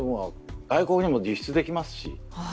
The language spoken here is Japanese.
外国にも輸出できますし。